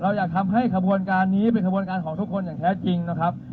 อยากทำให้ขบวนการนี้เป็นขบวนการของทุกคนอย่างแท้จริงนะครับ